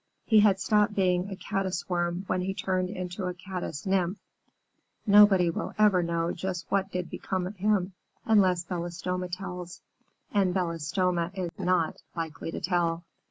He had stopped being a Caddis Worm when he turned into a Caddis Nymph. Nobody will ever know just what did become of him unless Belostoma tells and Belostoma is not likely to tell.